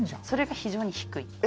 それが非常に低い。